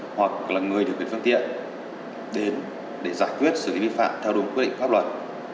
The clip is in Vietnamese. hoặc là người điều kiện phương tiện đến để giải quyết sự vi phạm theo đúng quy định pháp luật